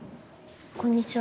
こんにちは。